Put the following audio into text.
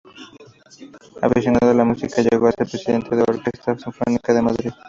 Aficionado a la música, llegó a ser presidente de la Orquesta Sinfónica de Madrid.